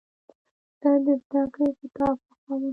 زه د زدهکړې کتاب خوښوم.